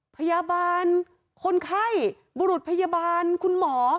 พยาบาลคนไข้บุรุษพยาบาลคุณหมอ